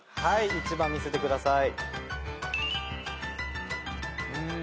１番見せてください。